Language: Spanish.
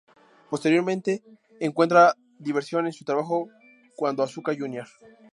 Posteriormente encuentra diversión en su trabajo cuando Asuka Jr.